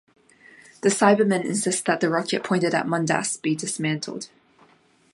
The Cybermen insist that the rocket pointed at Mondas be dismantled.